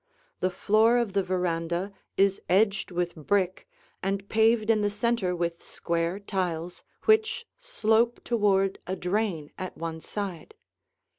The floor of the veranda is edged with brick and paved in the center with square tiles which slope toward a drain at one side.